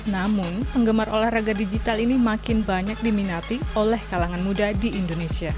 namun penggemar olahraga digital ini makin banyak diminati oleh kalangan muda di indonesia